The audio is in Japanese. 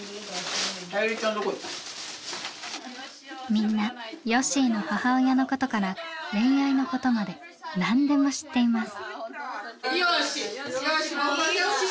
みんなよっしーの母親のことから恋愛のことまで何でも知っています。